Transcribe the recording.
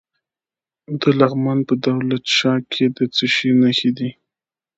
د لغمان په دولت شاه کې د څه شي نښې دي؟